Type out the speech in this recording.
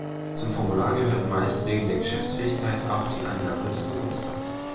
Zum Formular gehört meist wegen der Geschäftsfähigkeit auch die Angabe des Geburtstags.